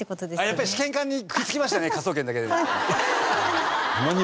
やっぱり試験管に食いつきましたね『科捜研』だけに。